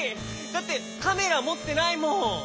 だってカメラもってないもん。